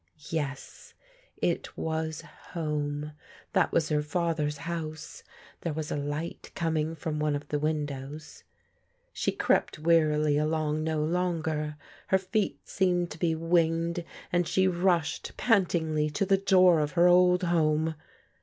Yes, it was home ! That was her father's house I That was a light coming from one of the windows. She crept wearily along no longer. Her feet seemed to be winged, and she rushed pantingly to the door of her old home.